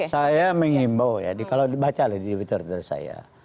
saya mengimbau ya kalau dibaca di twitter saya